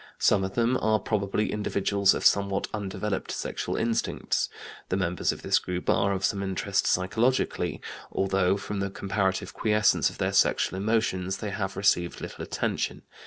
Some of them are probably individuals of somewhat undeveloped sexual instincts. The members of this group are of some interest psychologically, although from the comparative quiescence of their sexual emotions they have received little attention.